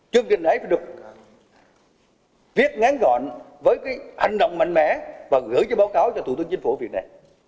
chương trình này phải được viết ngắn gọn với cái hành động mạnh mẽ và gửi cho báo cáo cho thủ tướng chính phủ việc này